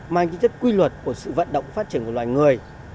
mang tính chất quy luật của sự vận động phát triển của loài người